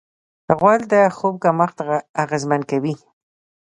غول د خوب کمښت اغېزمن کوي.